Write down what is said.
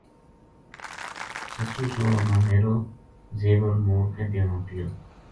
سسُو سوہراں نا میرو زیور موڑ کے دینو پیو